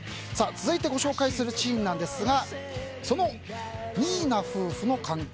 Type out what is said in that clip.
続いてご紹介するシーンですがその新名夫婦の関係。